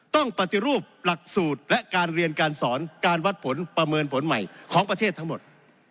ต้องปฏิรูปหลักสูตรและการเรียนการสอนการวัดผลประเมินผลใหม่ของประเทศทั้งหมด